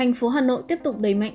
tp hcm tiếp tục đẩy mạnh